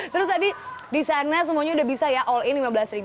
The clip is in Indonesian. terus tadi di sana semuanya udah bisa ya all in rp lima belas